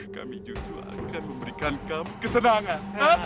kami justru akan memberikan kami kesenangan